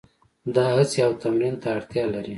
دا هڅې او تمرین ته اړتیا لري.